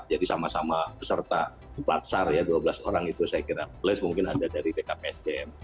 jadi sama sama peserta dua belas orang itu saya kira mungkin ada dari dkpsjm